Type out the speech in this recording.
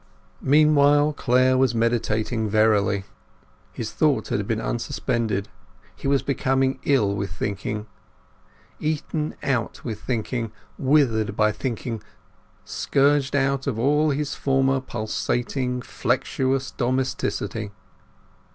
Meanwhile Clare was meditating, verily. His thought had been unsuspended; he was becoming ill with thinking; eaten out with thinking, withered by thinking; scourged out of all his former pulsating, flexuous domesticity.